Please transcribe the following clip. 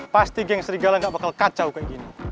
pasti geng serigala gak bakal kacau kayak gini